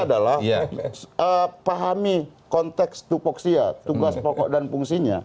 itu adalah pahami konteks tupuksia tugas pokok dan fungsinya